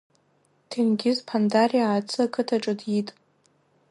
Ҭенгиз Ԥандариа Аацы ақыҭаҿы диит.